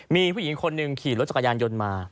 มีผู้หญิงคนหนึ่งขี่รถจักรยานยนต์มา